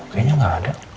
kayaknya gak ada